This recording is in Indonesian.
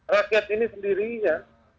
rakyat ini sendirinya